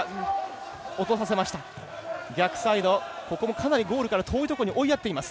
かなりゴールから遠いところに追いやっています。